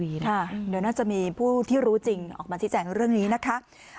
เดี๋ยวน่าจะมีผู้ที่รู้จริงออกมาชี้แจงเรื่องนี้นะคะ